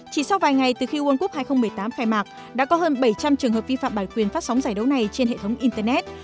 chỉ sau vài ngày từ khi world cup hai nghìn một mươi tám khai mạc đã có hơn bảy trăm linh trường hợp vi phạm bản quyền phát sóng giải đấu này trên hệ thống internet